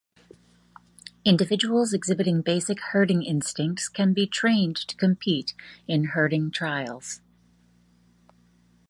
Individuals exhibiting basic herding instincts can be trained to compete in herding trials.